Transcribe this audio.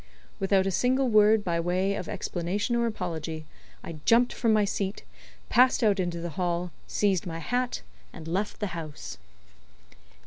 Without a single word by way of explanation or apology, I jumped from my seat, passed out into the hall, seized my hat, and left the house.